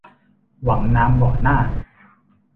หวังน้ำบ่อหน้า